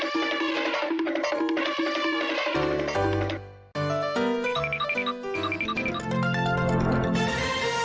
สวัสดีครับ